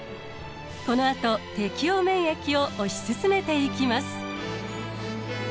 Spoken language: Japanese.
このあと適応免疫を推し進めていきます。